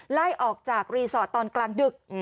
ไล่ออกจากรีสอร์ทตอนกลางดึก